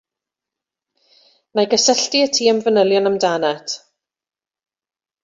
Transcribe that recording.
Wna i gysylltu â ti am fanylion amdanat.